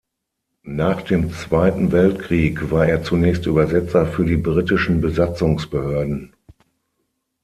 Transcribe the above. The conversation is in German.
Nach dem Zweiten Weltkrieg war er zunächst Übersetzer für die britischen Besatzungsbehörden.